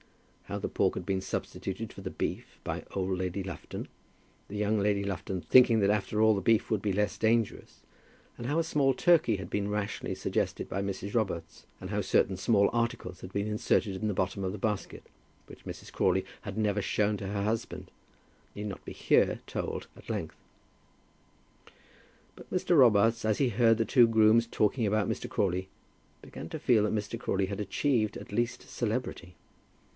How the pork had been substituted for the beef by old Lady Lufton, young Lady Lufton thinking that after all the beef would be less dangerous, and how a small turkey had been rashly suggested by Mrs. Robarts, and how certain small articles had been inserted in the bottom of the basket which Mrs. Crawley had never shewn to her husband, need not here be told at length. But Mr. Robarts, as he heard the two grooms talking about Mr. Crawley, began to feel that Mr. Crawley had achieved at least celebrity.